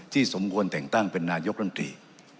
สมควรแต่งตั้งเป็นนายกรรมตรี